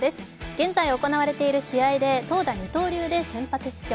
現在行われている試合で投打二刀流で先発出場。